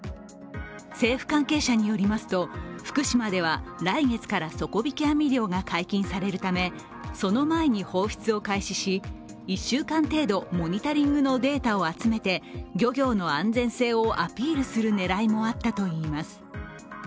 政府関係者によりますと福島では来月から底引き網漁が解禁されるためその前に放出を開始し、１週間程度モニタリングのデータを集めて漁業の安全性をアピールする狙いもあったといいます。